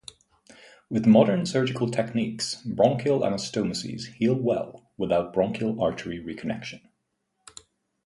With modern surgical techniques, bronchial anastomoses heal well without bronchial artery reconnection.